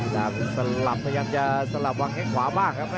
สำหรับข้ายับจะสลับวางให้ขวามากครับนะฮะ